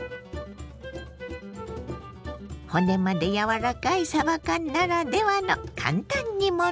骨まで柔らかいさば缶ならではの簡単煮物。